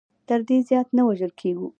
تر دې زیات نه وژل کېږو.